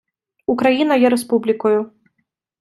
Україна є республікою.